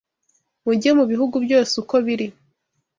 Mujye mu bihugu byose uko biri